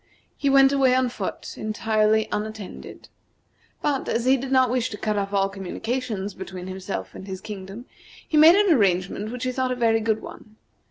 He went away on foot, entirely unattended. But, as he did not wish to cut off all communication between himself and his kingdom, he made an arrangement which he thought a very good one.